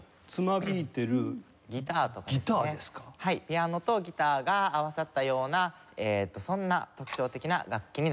ピアノとギターが合わさったようなそんな特徴的な楽器になっています。